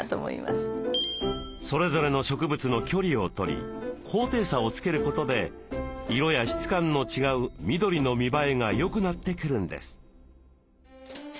それぞれの植物の距離をとり高低差をつけることで色や質感の違う緑の見栄えがよくなってくるんです。